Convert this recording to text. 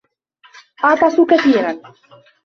أعطس كثيراً.